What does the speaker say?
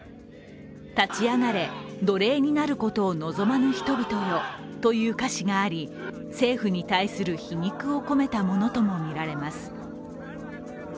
「立ち上がれ、奴隷になることを望まぬ人々よ」という歌詞があり政府に対する皮肉を込めたものともみられます。